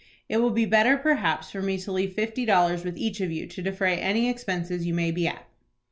It will be better perhaps for me to leave fifty dollars with each of you to defray any expenses you may be at."